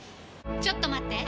ちょっと待って！